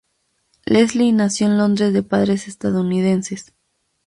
Leslie nació en Londres de padres estadounidenses.